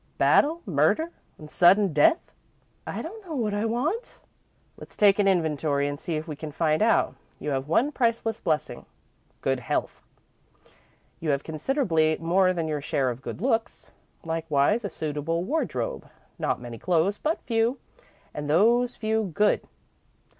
Battle, murder, and sudden death?" "I don't know what I want." "Let's take an inventory and see if we can find out. You have one priceless blessing good health. You have considerably more than your share of good looks. Likewise a suitable wardrobe; not many clothes, but few, and those few, good.